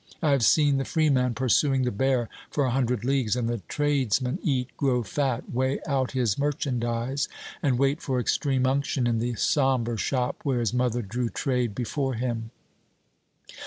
I have seen the free man pursuing the bear for a hundred leagues and the tradesman eat, grow fat, weigh out his merchandise, and wait for extreme unction in the sombre shop where his mother drew trade before him.